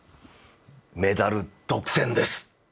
メダル独占です。